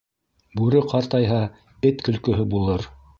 Бүре ҡартайһа, эт көлкөһө булыр.